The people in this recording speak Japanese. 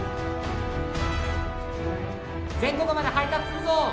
全国まで配達するぞ！